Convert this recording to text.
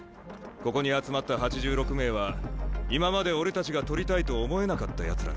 ここに集まった８６名は今まで俺たちが獲りたいと思えなかったやつらなんだ。